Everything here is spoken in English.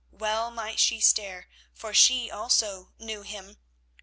Well might she stare, for she also knew him.